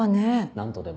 何とでも。